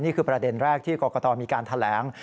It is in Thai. ประเด็นแรกที่กรกตมีการแถลง